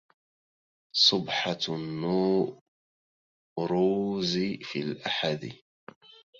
صبحة النوروز في الأحد